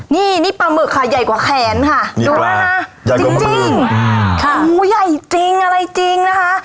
นี่นี่ปลาหมึกค่ะใหญ่กว่าแขนค่ะดูนะคะใหญ่จริงหมูใหญ่จริงอะไรจริงนะคะ